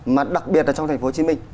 mà đặc biệt là trong thành phố hồ chí minh